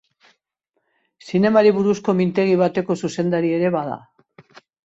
Zinemari buruzko mintegi bateko zuzendari ere bada.